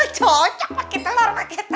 cocok pake telur